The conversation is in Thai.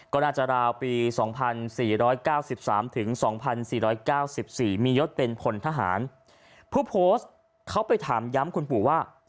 ก็น่าจะราวปีสองพันสี่ร้อยเก้าสิบสามถึงสองพันสี่ร้อยเก้าสิบสี่มียศเป็นคนทหารผู้โพสต์เขาไปถามย้ำคุณปู่ว่า